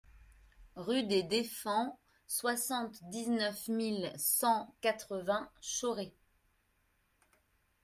Rue des Deffends, soixante-dix-neuf mille cent quatre-vingts Chauray